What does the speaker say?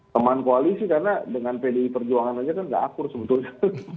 teman koalisi karena dengan pdi perjuangan aja kan nggak akur sebetulnya